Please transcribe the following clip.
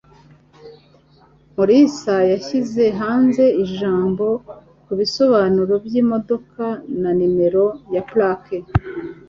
Mulisa yashyize hanze ijambo kubisobanuro byimodoka na nimero ya plaque.